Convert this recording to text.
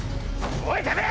おい、てめぇ！